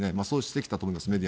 そうしてきたと思います。